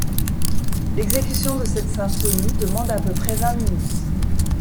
L'exécution de cette symphonie demande à peu près vingt minutes.